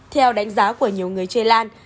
theo đánh giá của nhiều người chơi lan